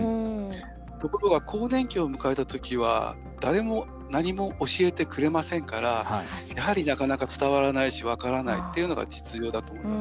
ところが、更年期を迎えたときは誰も何も教えてくれませんからやはり、なかなか伝わらないし分からないというのが実情だと思います。